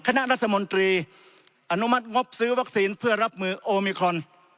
คณะรัฐมนตรีอนุมัติงบซื้อวัคซีนเพื่อรับมือโอมิครอน